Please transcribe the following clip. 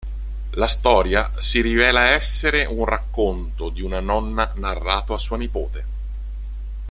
La storia si rivela essere un racconto di una nonna narrato a sua nipote.